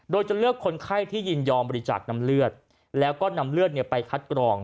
โดยจะเลือกคนไข้ที่ยินยอมบริจาคนำเลือดแล้วก็นำเลือดไปคัดกรอง